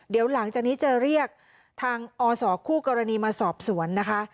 เดี๋ยวหลังจากนี้จะเรียกทางอศคู่กรณีมาสอบสวนนะคะ